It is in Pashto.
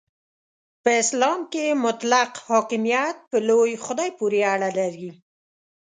په اسلام کې مطلق حاکمیت په لوی خدای پورې اړه لري.